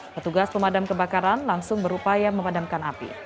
petugas pemadam kebakaran langsung berupaya memadamkan api